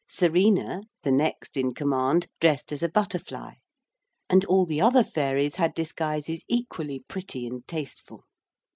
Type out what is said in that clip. Serena, the next in command, dressed as a butterfly, and all the other fairies had disguises equally pretty and tasteful.